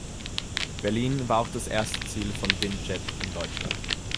Berlin war auch das erste Ziel von Wind Jet in Deutschland.